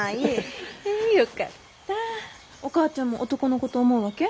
お母ちゃんも男の子と思うわけ？